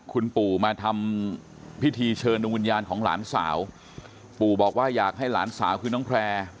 คุณปู่มาทำพิธีเชิญดวงวิญญาณของหลานสาวปู่บอกว่าอยากให้หลานสาวคือน้องแพร่